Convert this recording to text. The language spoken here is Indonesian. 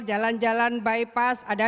jalan jalan bypass ada